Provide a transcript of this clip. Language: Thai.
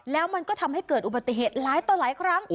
แล้วมันก็ทำให้เกิดอุบัติเหตุหลายต่อหลายครั้ง